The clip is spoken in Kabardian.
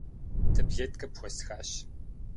Таблеткэ пхуэстхащ.